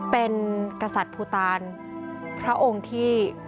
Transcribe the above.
เป็นกษัตริย์ภูตาลพระองค์ที่